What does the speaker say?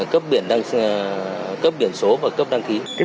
cấp biển số và cấp đăng ký